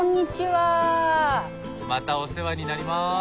またお世話になります。